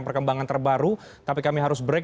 perkembangan terbaru tapi kami harus break